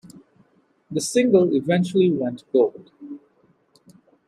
The single eventually went gold.